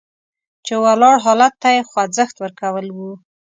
چې ولاړ حالت ته یې خوځښت ورکول وو.